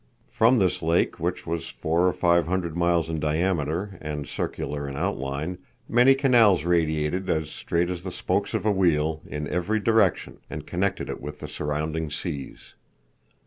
From this lake, which was four or five hundred miles in diameter, and circular in outline, many canals radiated, as straight as the spokes of a wheel, in every direction, and connected it with the surrounding seas.